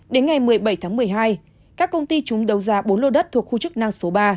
đến ngày một mươi bảy tháng một mươi hai các công ty chúng đấu giá bốn lô đất thuộc khu chức năng số ba